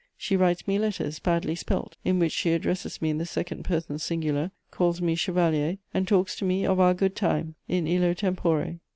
She writes me letters, badly spelt, in which she addresses me in the second person singular, calls me "chevalier," and talks to me of our good time: _in illo tempore.